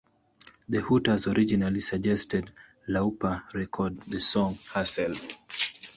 The Hooters originally suggested Lauper record the song herself.